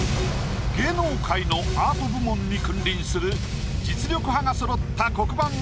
芸能界のアート部門に君臨する実力派がそろった黒板